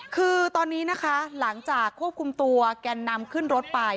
คือตอนนี้นะคะหลังจากควบคุมตัวแกนนำขึ้นรถไป